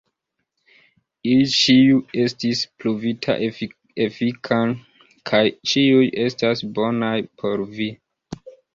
Ili ĉiu estis pruvita efikan kaj ĉiuj estas bonaj por vi.